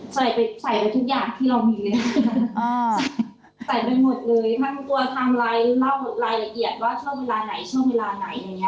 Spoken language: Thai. ใส่ไปใส่ไว้ทุกอย่างที่เรามีเลยใส่ไปหมดเลยบางตัวทำอะไรเล่ารายละเอียดว่าช่วงเวลาไหนช่วงเวลาไหนอย่างเงี้